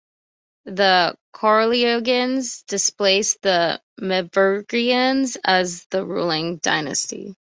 The Carolingians displaced the Merovingians as the ruling dynasty.